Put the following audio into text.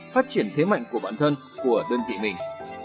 phát triển thế mạnh của bản thân của đơn vị mình